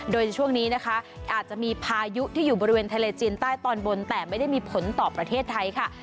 โดยในช่วงนี้นะคะอาจจะมีพายุที่อยู่บริเวณทะเลจีนใต้ตอนบนแต่ไม่ได้มีผลต่อประเทศไทยค่ะ